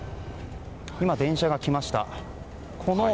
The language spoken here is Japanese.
今、電車が来ました。